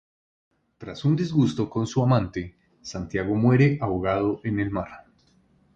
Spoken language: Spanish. Tras un disgusto con su amante, Santiago muere ahogado en el mar.